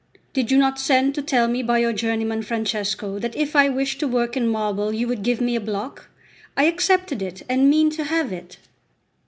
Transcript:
did you not send to tell me by your journeyman, Francesco, that if I wished to work in marble you would give me a block? I accepted it, and mean to have it."